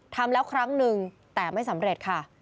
ทำแล้วครั้งนึงแต่ไม่สำเร็จค่ะ